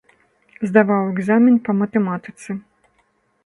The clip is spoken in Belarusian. Здаваў экзамен па матэматыцы.